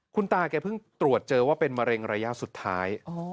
คุณตาแกเพิ่งตรวจเจอว่าเป็นมะเร็งระยะสุดท้าย